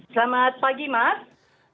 selamat pagi mas